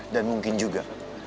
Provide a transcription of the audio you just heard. dan mungkin juga